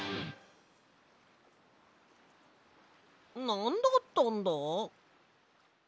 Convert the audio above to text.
なんだったんだ？